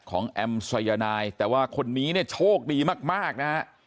แอมสายนายแต่ว่าคนนี้เนี่ยโชคดีมากนะฮะ